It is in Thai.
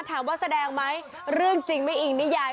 แสดงไหมเรื่องจริงไม่อิงนิยาย